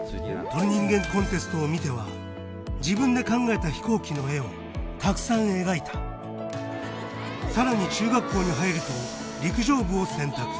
鳥人間コンテストを見ては自分が考えた飛行機の絵をたくさん描いた更に中学校に入ると陸上部を選択